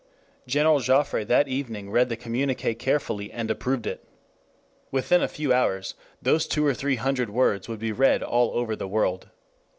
General Joffre that evening read the communiqué carefully and approved it. Within a few hours those two or three hundred words would be read all over the world.